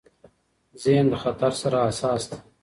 ذهن د خطر سره حساس دی.